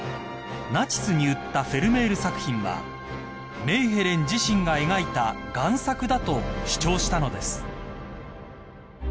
［ナチスに売ったフェルメール作品はメーヘレン自身が描いた贋作だと主張したのです］